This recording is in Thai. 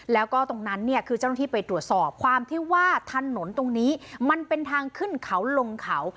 แล้วก็ตรงนั้นเนี่ยคือเจ้าหน้าที่ไปตรวจสอบความที่ว่าถนนตรงนี้มันเป็นทางขึ้นเขาลงเขา